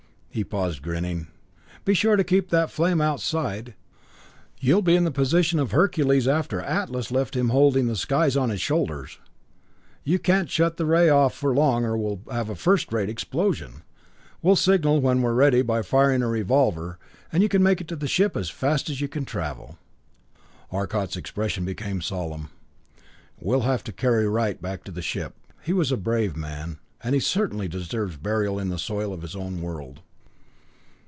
He paused, grinning. "Be sure to keep that flame outside. You'll be in the position of Hercules after Atlas left him holding the skies on his shoulders. You can't shut off the ray for long or we'll have a first rate explosion. We'll signal when we're ready by firing a revolver, and you make it to the ship as fast as you can travel." Arcot's expression became solemn. "We'll have to carry Wright back to the ship. He was a brave man, and he certainly deserves burial in the soil of his own world.